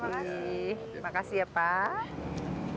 terima kasih ya pak